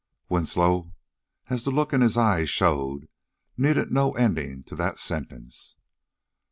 Winslow, as the look in his eyes showed, needed no ending to that sentence.